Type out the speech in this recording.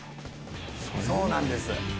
そうなんです。